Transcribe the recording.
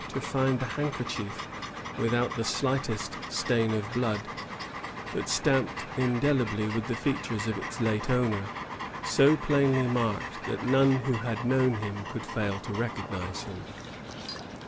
to find the handkerchief without the slightest stain of blood, but stamped indelibly with the features of its late owner, so plainly marked that none who had known him could fail to recognize them.